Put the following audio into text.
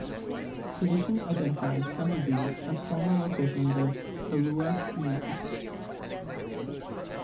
Tradition identifies some of these as former locations of Ulua communities.